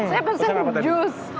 saya pesan jus